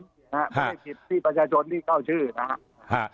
ไม่ได้ผิดที่ประชาชนที่เข้าชื่อนะครับ